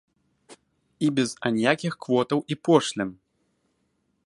І без аніякіх квотаў і пошлін!